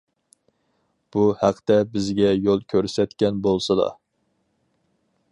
بۇ ھەقتە بىزگە يول كۆرسەتكەن بولسىلا.